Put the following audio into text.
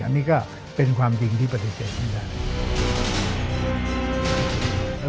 อันนี้ก็เป็นความจริงที่ปฏิเสธไม่ได้